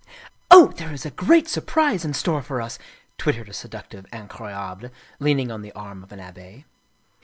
" Oh, there is a great surprise in store for us," twittered a seductive Incroyable, leaning on the arm of an Abbe.